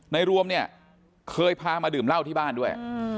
ในรวมเคยพามาดื่มเหล้าที่บ้านด้วย